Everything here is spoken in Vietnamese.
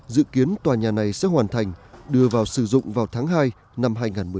dự kiến tòa nhà này sẽ hoàn thành đưa vào sử dụng vào tháng hai năm hai nghìn một mươi chín